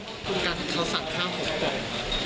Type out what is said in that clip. เหมือนกันเขาสั่งข้าว๖กล่อง